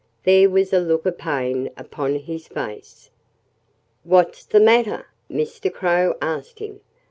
There was a look of pain upon his face. "What's the matter?" Mr. Crow asked him.